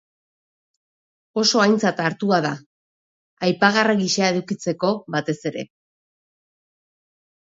Oso aintzat hartua da, apaingarri gisa edukitzeko, batez ere.